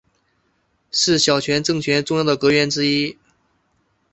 是小泉政权重要的阁员之一。